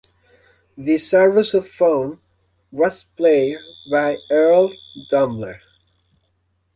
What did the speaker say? The sarrusophone was played by Earl Dumler.